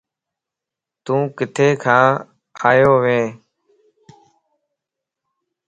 تون ڪٿي کان آيو وئين ؟